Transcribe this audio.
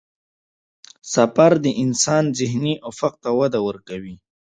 سفر د انسان ذهني افق ته وده ورکوي.